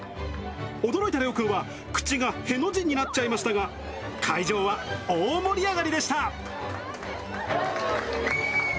驚いたれおくんは口がへの字になっちゃいましたが、会場は大盛り上がりでした。